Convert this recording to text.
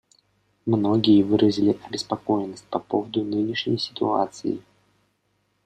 Многие выразили обеспокоенность по поводу нынешней ситуации.